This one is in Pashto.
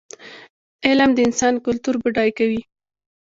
علم د انسان کلتور بډای کوي.